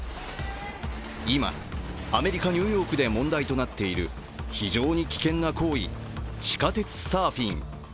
今、アメリカ・ニューヨークで問題となっている非常に危険な行為、地下鉄サーフィン。